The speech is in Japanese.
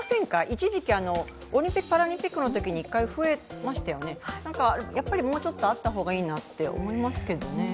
一時期、オリンピック・パラリンピックのときに一回増えましたよね、もうちょっとあったらいいなと思いますけどね。